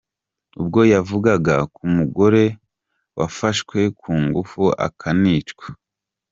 Ubwo yavugaga k’umugore wafashwe ku ngufu akanicwa….